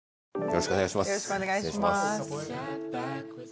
よろしくお願いします。